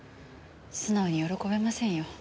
素直に喜べませんよ。